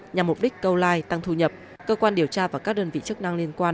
nhằm mục đích câu like tăng thu nhập cơ quan điều tra và các đơn vị chức năng liên quan